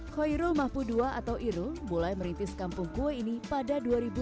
hoyrul mahpun ii atau iru mulai merintis kampung kue ini pada dua ribu lima